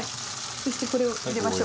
そしてこれを入れましょう。